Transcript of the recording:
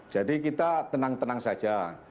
jadi kita tenang tenang saja